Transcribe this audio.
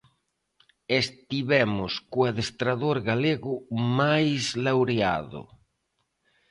E estivemos co adestrador galego máis laureado.